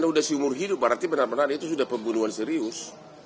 kan udah si umur hidup berarti benar benar itu sudah pembunuhan serius